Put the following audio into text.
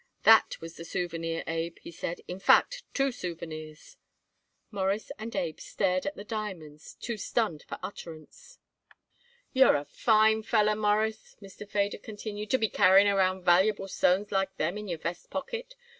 "That was the souvenir, Abe," he said. "In fact, two souvenirs." Morris and Abe stared at the diamonds, too stunned for utterance. "You're a fine feller, Mawruss," Mr. Feder continued, "to be carrying around valuable stones like them in your vest pocket.